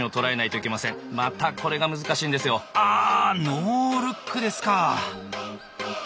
ノールックですか。